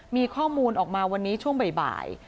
มีข้อมูลออกมาวันนี้ช่วงบ่าย